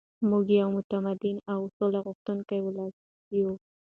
موږ یو متمدن او سوله غوښتونکی ولس یو.